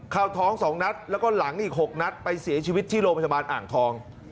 เข้าท้อง๒นัดแล้วก็หลังอีก๖นัดไปเสียชีวิตที่โรงพยาบาลอ่างทอง